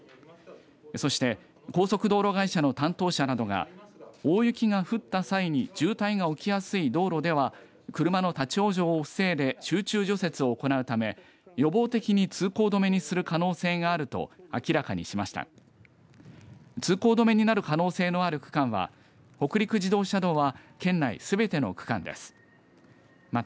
そして高速道路会社の担当者などが大雪が降った際に渋滞が起きやすい道路では車の立往生を防いで集中除雪を行うため予防的に通行止めにする可能性があると明らかにしました。